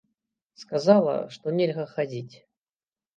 Сказала, што нельга хадзіць.